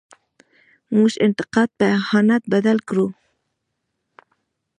موږ انتقاد په اهانت بدل کړو.